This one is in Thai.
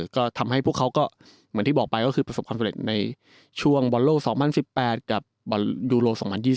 ก็ทำให้พวกเขาก็เหมือนที่บอกไปก็คือประสบความสำเร็จในช่วงบอลโลก๒๐๑๘กับบอลยูโร๒๐๒๐